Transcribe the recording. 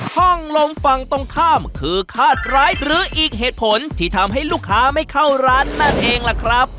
ห้องลมฝั่งตรงข้ามคือคาดร้ายหรืออีกเหตุผลที่ทำให้ลูกค้าไม่เข้าร้านนั่นเองล่ะครับ